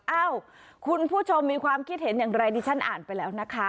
เอ้าคุณผู้ชมมีความคิดเห็นอย่างไรดิฉันอ่านไปแล้วนะคะ